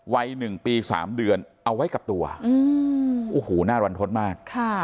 วัย๑ปี๓เดือนเอาไว้กับตัวโอ้โหน่ารันทดมาก